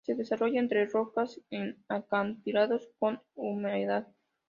Se desarrolla entre rocas en acantilados con humedad.